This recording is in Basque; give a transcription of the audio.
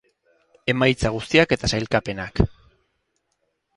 Emaitza guztiak eta sailkapenak.